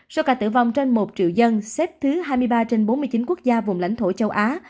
số ca tử vong trên một triệu dân xếp thứ hai mươi ba trên bốn mươi chín quốc gia vùng lãnh thổ châu á